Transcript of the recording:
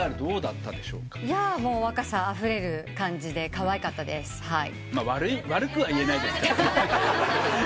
若さあふれる感じでかわいかったです。